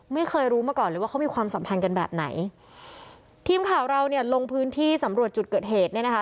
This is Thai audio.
ไม่เคยรู้มาก่อนเลยว่าเขามีความสัมพันธ์กันแบบไหนทีมข่าวเราเนี่ยลงพื้นที่สำรวจจุดเกิดเหตุเนี่ยนะคะ